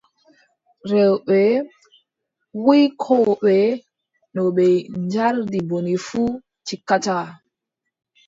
Rewɓe wuykooɓe, no ɓe njardi bone fuu, tikkataa.